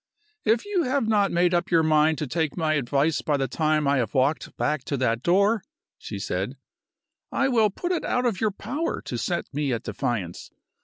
"If you have not made up your mind to take my advice by the time I have walked back to that door," she said, "I will put it out of your power to set me at defiance.